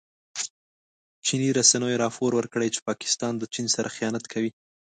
چیني رسنیو راپور ورکړی چې پاکستان د چین سره خيانت کوي.